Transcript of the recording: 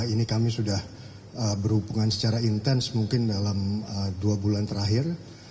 ini kami sudah berhubungan secara intens mungkin dalam dua bulan terakhir